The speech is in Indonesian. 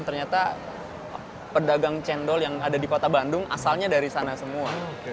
ternyata pedagang cendol yang ada di kota bandung asalnya dari sana semua